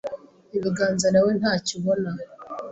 ibiganza nawe ntacyo ubona,